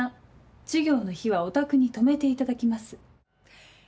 ３授業の日はお宅に泊めていただきます